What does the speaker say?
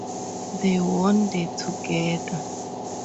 They won the together.